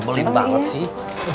boleh banget sih